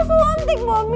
enggak mau suntik bomi